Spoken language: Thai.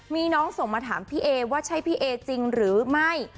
มีน้องส่งมาถามพี่เอว่าใช่พี่เอจริงหรือไม่